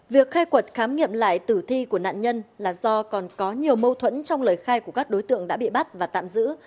việc khai quật khám nghiệm lại tử thi của nạn nhân là do còn có nhiều mâu thuẫn trong lời khai của các đối tượng đã bị bắt và tạm giữ